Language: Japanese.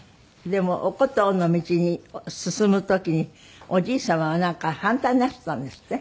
でもお箏の道に進む時におじい様はなんか反対なすったんですって？